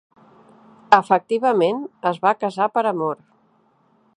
Efectivament, es va casar per amor.